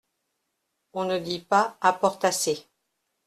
On ne dit pas apportasser.